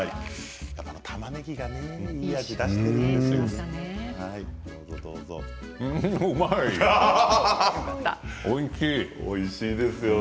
たまねぎがいい味を出しているんですよ。